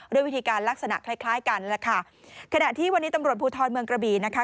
ด้วยวิธีการลักษณะคล้ายคล้ายกันแหละค่ะขณะที่วันนี้ตำรวจภูทรเมืองกระบี่นะคะ